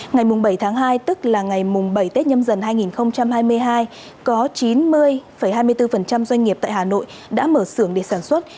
ngày bảy tháng hai có chín mươi hai mươi bốn doanh nghiệp tại hà nội đã mở xưởng để sản xuất